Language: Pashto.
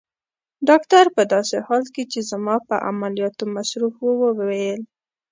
ډاکټر په داسې حال کې چي زما په عملیاتو مصروف وو وویل.